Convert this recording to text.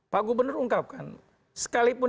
pak gubernur ungkapkan sekalipun